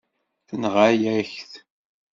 Tenɣa-yak-t.